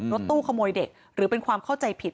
รถตู้ขโมยเด็กหรือเป็นความเข้าใจผิด